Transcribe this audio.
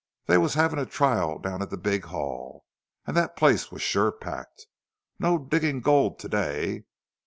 They was havin' a trial down at the big hall, an' thet place was sure packed. No diggin' gold to day!...